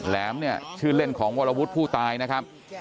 แหมเนี่ยชื่อเล่นของวรวุฒิผู้ตายนะครับ